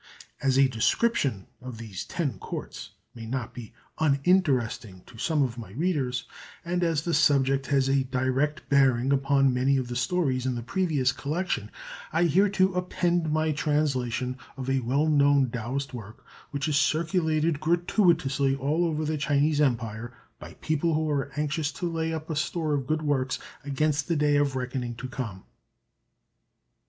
As a description of these Ten Courts may not be uninteresting to some of my readers, and as the subject has a direct bearing upon many of the stories in the previous collection, I hereto append my translation of a well known Taoist work which is circulated gratuitously all over the Chinese Empire by people who are anxious to lay up a store of good works against the day of reckoning to come.